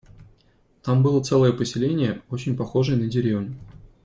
Там было целое поселение, очень похожее на деревню.